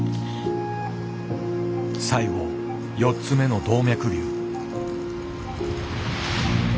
最後４つ目の動脈瘤。